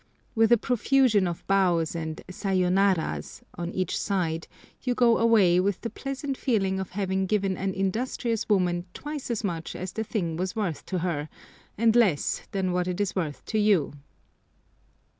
With a profusion of bows and "sayo naras" on each side, you go away with the pleasant feeling of having given an industrious woman twice as much as the thing was worth to her, and less than what it is worth to you!